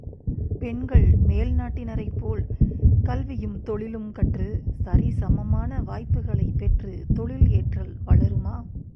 பெண்கள் மேல் நாட்டினரைப் போல் கல்வியும் தொழிலும் கற்றுச் சரிசமமான வாய்ப்புகளைப் பெற்றுத் தொழில் ஏற்றல் வளருமா?